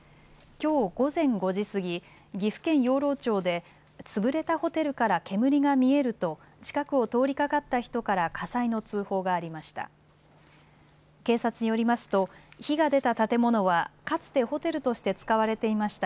きょう午前５時過ぎ、岐阜県養老町で潰れたホテルから煙が見えると近くを通りかかった人から火災の通報がありました。